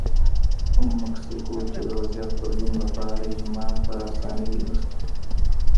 په مکسیکو کې د وضعیت بدلون لپاره اجماع په اسانۍ نشته.